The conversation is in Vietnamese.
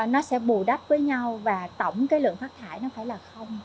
nó sẽ bù đắp với nhau và tổng cái lượng phát thải nó phải là không